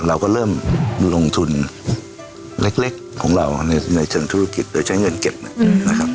เราก็เริ่มลงทุนเล็กของเราในเชิงธุรกิจโดยใช้เงินเก็บนะครับ